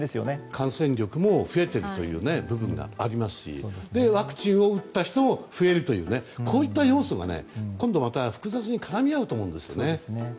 感染力が増えている部分もありますしワクチンを打った人も増えるというこういった要素が複雑に絡み合うと思うんですね。